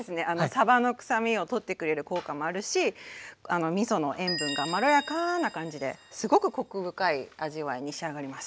さばの臭みをとってくれる効果もあるしみその塩分がまろやかな感じですごくコク深い味わいに仕上がります。